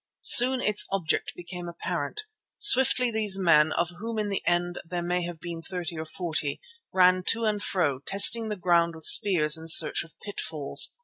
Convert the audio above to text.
Soon its object became apparent. Swiftly these men, of whom in the end there may have been thirty or forty, ran to and fro, testing the ground with spears in search for pitfalls.